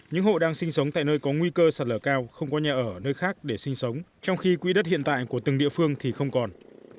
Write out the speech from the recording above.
những hộ đang sinh sống tại nơi có nguy cơ sạt lở cao không có nhà ở nơi khác để sinh sống trong khi quỹ đất hiện tại của từng địa phương thì không còn